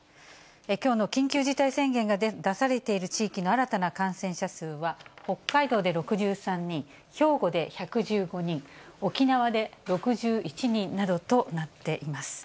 きょうの緊急事態宣言が出されている地域の新たな感染者数は、北海道で６３人、兵庫で１１５人、沖縄で６１人などとなっています。